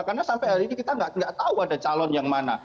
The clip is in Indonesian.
karena sampai hari ini kita tidak tahu ada calon yang mana